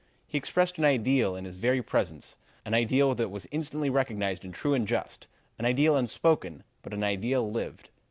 He expressed an ideal in his very presence an ideal that was instantly recognizable as true and just an ideal unspoken, but an ideal lived.